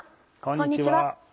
こんにちは。